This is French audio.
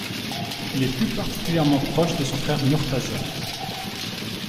Il est plus particulièrement proche de son frère Murtaza.